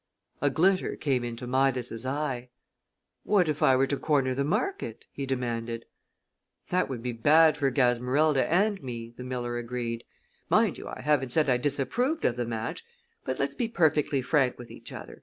A glitter came into Midas's eye. "What if I were to corner the market?" he demanded. "That would be bad for Gasmerilda and me," the miller agreed. "Mind you, I haven't said I disapproved of the match, but let's be perfectly frank with each other.